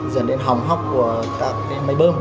dẫn đến hỏng hóc của các máy bơm